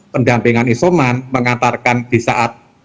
pendampingan isoman mengantarkan di saat